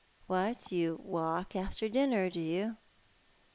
" What, you walk after dinner, do you?"